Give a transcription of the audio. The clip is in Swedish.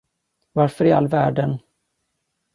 Varför i all världen?